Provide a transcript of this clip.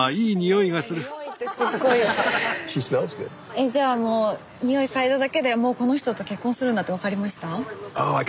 えっじゃあもうにおい嗅いだだけでもうこの人と結婚するんだって分かりました？